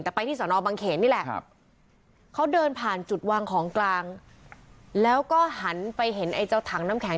แต่ไปที่สอนอบังเขนนี่แหละเขาเดินผ่านจุดวางของกลางแล้วก็หันไปเห็นไอ้เจ้าถังน้ำแข็ง